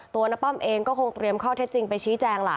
น้าป้อมเองก็คงเตรียมข้อเท็จจริงไปชี้แจงล่ะ